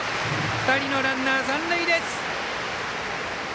２人のランナー、残塁です。